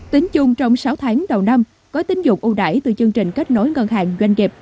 tính chung trong sáu tháng đầu năm gói tín dụng ưu đải từ chương trình kết nối ngân hàng doanh nghiệp